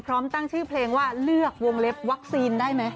พร้อมตั้งชื่อเพลงว่าเลือกวงเล็บวัคซีนได้ไหม